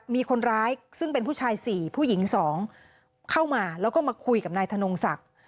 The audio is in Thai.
มีคนร้ายซึ่งเป็นผู้ชาย๔ผู้หญิง๒เข้ามาแล้วก็มาคุยกับนายธนงศักดิ์